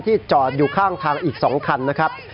จอดอยู่ข้างทางอีก๒คันนะครับ